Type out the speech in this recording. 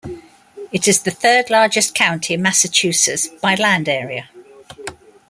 It is the third-largest county in Massachusetts by land area.